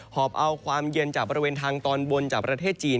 อบเอาความเย็นจากบริเวณทางตอนบนจากประเทศจีน